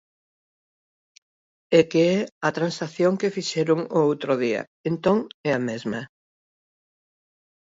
É que é a transacción que fixeron o outro día, entón é a mesma.